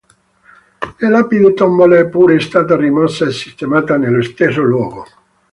La lapide tombale è pure stata rimossa e sistemata nello stesso luogo.